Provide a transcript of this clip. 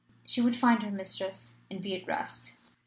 She would find her mistress and be at rest.